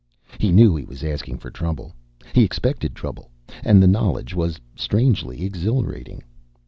He knew he was asking for trouble. He expected trouble, and the knowledge was strangely exhilarating.